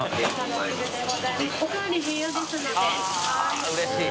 あっうれしい。